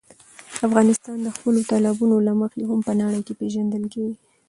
افغانستان د خپلو تالابونو له مخې هم په نړۍ پېژندل کېږي.